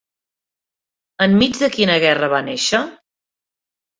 Enmig de quina guerra va néixer?